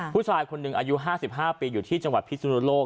ผู้ชายคนหนึ่งอายุ๕๕ปีอยู่ที่จังหวัดพิสุนโลก